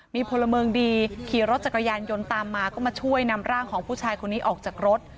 มีพลเมืองดีขี่รถจักรยานยนต์ตามมาก็มาช่วยนำร่างของผู้ชายคนนี้ออกจากรถ